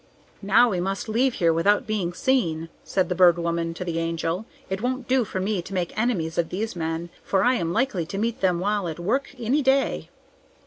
"Now we must leave here without being seen," said the Bird Woman to the Angel. "It won't do for me to make enemies of these men, for I am likely to meet them while at work any day."